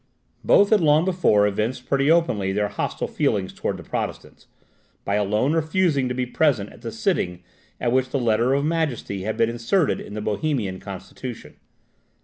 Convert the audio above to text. Both had long before evinced pretty openly their hostile feelings towards the Protestants, by alone refusing to be present at the sitting at which the Letter of Majesty had been inserted in the Bohemian constitution.